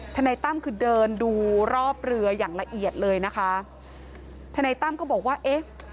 ทนายตั้มคือเดินดูรอบเรืออย่างละเอียดเลยนะคะทนายตั้มก็บอกว่าเอ๊ะ